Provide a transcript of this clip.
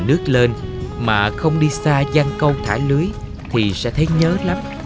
nước lên mà không đi xa giang câu thả lưới thì sẽ thấy nhớ lắm